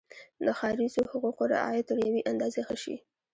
د ښاریزو حقوقو رعایت تر یوې اندازې ښه شي.